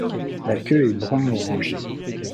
La queue est brun orangé.